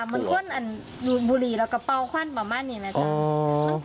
เหมือนคนบุหรี่แล้วกระเป๋าควันประมาณเนี่ยนะจ้ะ